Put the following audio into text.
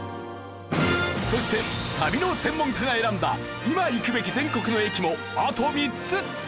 そして旅の専門家が選んだ今行くべき全国の駅もあと３つ！